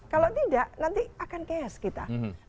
kalau tidak nanti akan cash kita